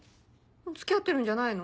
付き合ってるんじゃないの？